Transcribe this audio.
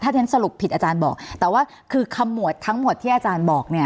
ที่ฉันสรุปผิดอาจารย์บอกแต่ว่าคือขมวดทั้งหมดที่อาจารย์บอกเนี่ย